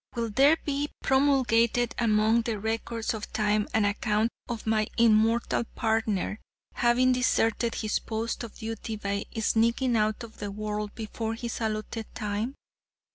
Will there be promulgated among the records of time an account of my immortal partner having deserted his post of duty by sneaking out of the world before his allotted time?